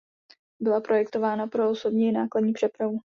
Byla projektována pro osobní i nákladní přepravu.